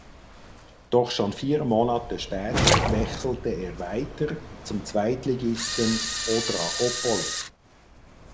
Doch schon vier Monate später wechselte er weiter zum Zweitligisten Odra Opole.